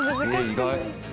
意外。